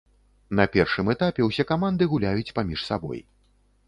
На першым этапе ўсе каманды гуляюць паміж сабой.